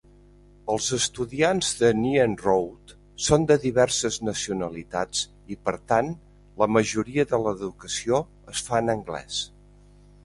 Els estudiants de Nyenrode són de diverses nacionalitats i, per tant, la majoria de l'educació es fa en anglès.